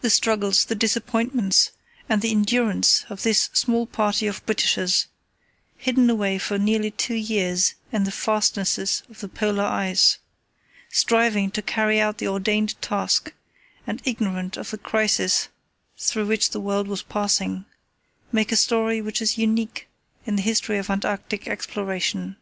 The struggles, the disappointments, and the endurance of this small party of Britishers, hidden away for nearly two years in the fastnesses of the Polar ice, striving to carry out the ordained task and ignorant of the crises through which the world was passing, make a story which is unique in the history of Antarctic exploration.